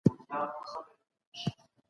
په دولتي ادارو کي د ښځو ونډه زیاته وه.